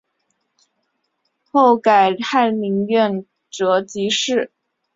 任改翰林院庶吉士。